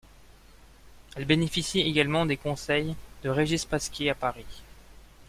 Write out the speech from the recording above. Elle bénéficie également des conseils de Régis Pasquier à Paris.